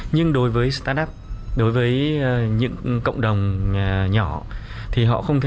nhưng đối với start up đối với những cộng đồng nhỏ